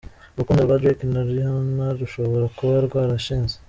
Urukundo rwa Drake na Rihanna rushobora kuba rwarashize.